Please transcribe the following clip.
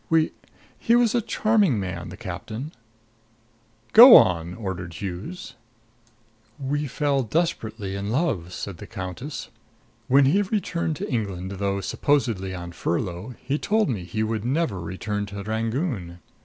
We he was a charming man, the captain " "Go on!" ordered Hughes. "We fell desperately in love," said the countess. "When he returned to England, though supposedly on a furlough, he told me he would never return to Rangoon.